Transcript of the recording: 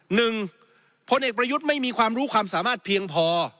พลเอกประยุทธ์ไม่มีความรู้ความสามารถเพียงพอ